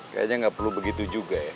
kayaknya nggak perlu begitu juga ya